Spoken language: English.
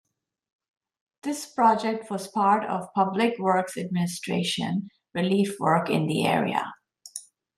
This project was part of Public Works Administration relief work in the area.